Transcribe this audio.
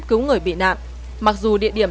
cứu người bị nạn mặc dù địa điểm